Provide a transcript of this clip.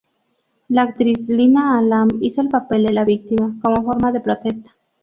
La actriz Lina Alam hizo el papel de la víctima, como forma de protesta.